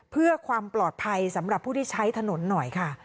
เพื่อความปลอดภัยสำหรับผู้ที่ใช้ถนนหน่อยค่ะ